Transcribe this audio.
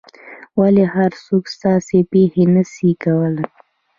ولي هر څوک ستاسو پېښې نه سي کولای؟